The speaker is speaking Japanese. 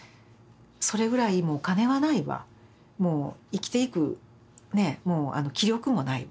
それぐらいもうお金はないわもう生きていく気力もないわ